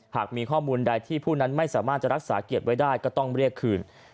หากมีข้อมูลใดที่ผู้นั้นไม่สามารถจะรักษาเกียรติไว้ได้ก็ต้องเรียกคืน